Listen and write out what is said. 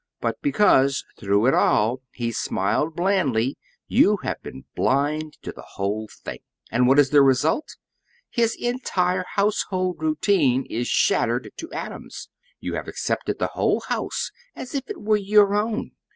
But because, through it all, he smiled blandly, you have been blind to the whole thing. "And what is the result? His entire household routine is shattered to atoms. You have accepted the whole house as if it were your own.